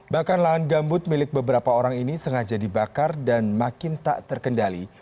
bahkan lahan gambut milik beberapa orang ini sengaja dibakar dan makin tak terkendali